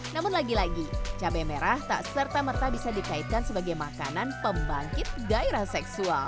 namun lagi lagi cabai merah tak serta merta bisa dikaitkan sebagai makanan pembangkit gairah seksual